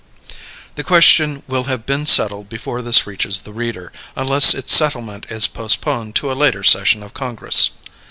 The question will have been settled before this reaches the reader, unless its settlement is postponed to a later session of Congress.